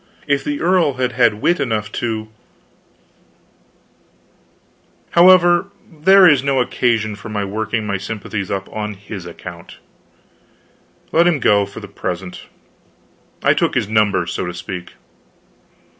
If the earl had had wit enough to However, there is no occasion for my working my sympathies up on his account. Let him go, for the present; I took his number, so to speak.